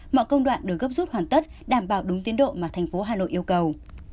mọi công đoạn được gấp rút hoàn tất đảm bảo đúng tiến độ mà thành phố hà nội yêu cầu